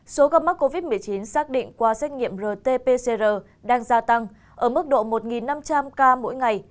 số ca mắc covid một mươi chín xác định qua xét nghiệm rt pcr đang gia tăng ở mức độ một năm trăm linh ca mỗi ngày